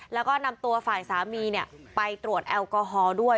แล้วก็นำตัวฝ่ายสามีไปตรวจแอลกอฮอล์ด้วย